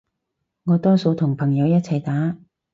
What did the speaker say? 我多數同朋友一齊打